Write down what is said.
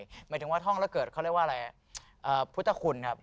หมายถึงว่าท่องแล้วเกิดพุทธคุณครับ